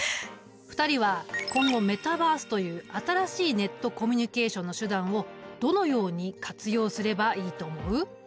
２人は今後メタバースという新しいネットコミュニケーションの手段をどのように活用すればいいと思う？